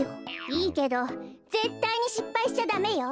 いいけどぜったいにしっぱいしちゃダメよ。